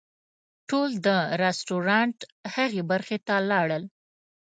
ټول د رسټورانټ هغې برخې ته لاړل.